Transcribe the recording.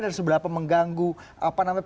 dan sebelah apa mengganggu apa namanya